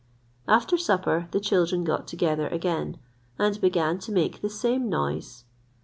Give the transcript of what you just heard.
After supper the children got together again, and began to make the same noise.